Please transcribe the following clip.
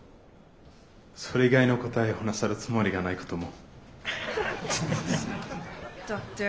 それ以外のお答えをなさるつもりがないことも。